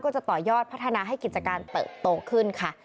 จะต่อยอดพัฒนาให้กิจการเติบโตขึ้นค่ะ